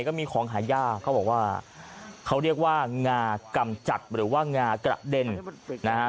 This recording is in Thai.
ก็มีของหายากเขาบอกว่าเขาเรียกว่างากำจัดหรือว่างากระเด็นนะฮะ